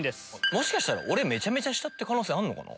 もしかしたら俺めちゃめちゃ下って可能性あるのかな？